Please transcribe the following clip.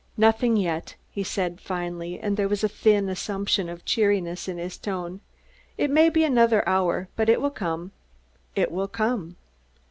"Nothing yet," he said finally, and there was a thin assumption of cheeriness in his tone. "It may be another hour, but it will come it will come."